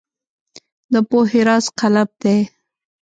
د پوهې راز قلم دی.